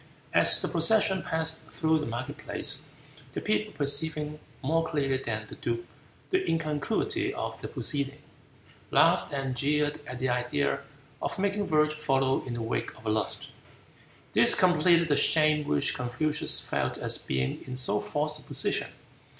As the procession passed through the market place, the people perceiving more clearly than the duke the incongruity of the proceeding, laughed and jeered at the idea of making virtue follow in the wake of lust. This completed the shame which Confucius felt at being in so false a position.